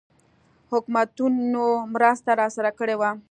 حکومتونو مرسته راسره کړې وه.